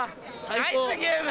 ナイスゲーム！